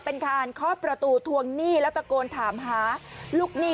เป็นการเคาะประตูทวงหนี้แล้วตะโกนถามหาลูกหนี้